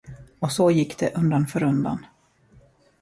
Och så gick det undan för undan.